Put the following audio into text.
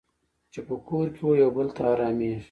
چې په کور کې وو یو بل ته حرامېږي.